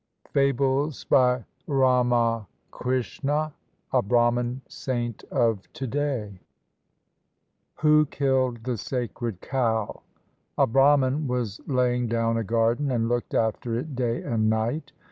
FABLES BY RAMAKRISHNA, A BRAHMAN SAINT OF TO DAY WHO KILLED THE SACRED COW? A Brahman was laying down a garden and looked after it day and night.